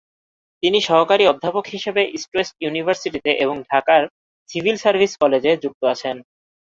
তিনি সহকারী অধ্যাপক হিসেবে ইস্ট ওয়েস্ট ইউনিভার্সিটিতে এবং ঢাকার সিভিল সার্ভিস কলেজে যুক্ত আছেন।